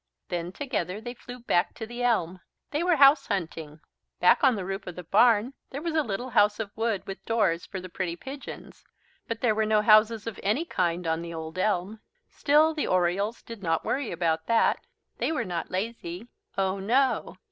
Then together they flew back to the elm. They were house hunting. Back on the roof of the barn there was a little house of wood with doors for the pretty pigeons, but there were no houses of any kind on the old elm. Still the Orioles did not worry about that. They were not lazy, oh no!